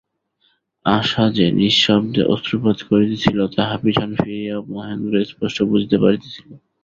আশা যে নিঃশব্দে অশ্রুপাত করিতেছিল, তাহা পিছন ফিরিয়াও মহেন্দ্র স্পষ্ট বুঝিতে পারিতেছিল।